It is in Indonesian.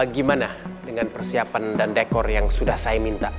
gimana dengan persiapan dan dekor yang sudah saya minta